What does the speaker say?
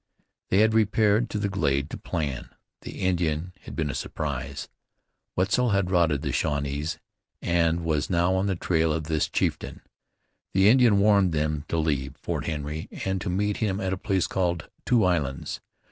They had repaired to the glade to plan. The Indian had been a surprise. Wetzel had routed the Shawnees, and was now on the trail of this chieftain. The Indian warned them to leave Fort Henry and to meet him at a place called Two Islands.